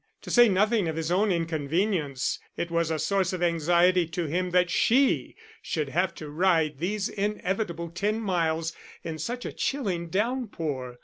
To say nothing of his own inconvenience, it was a source of anxiety to him that she should have to ride these inevitable ten miles in such a chilling downpour.